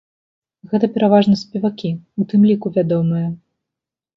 Гэта пераважна спевакі, у тым ліку вядомыя.